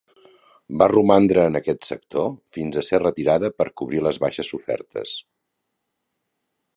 Va romandre en aquest sector fins a ser retirada per a cobrir les baixes sofertes.